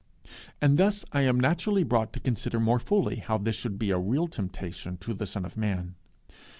And thus I am naturally brought to consider more fully how this should be a real temptation to the Son of Man.